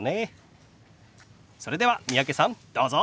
それでは三宅さんどうぞ！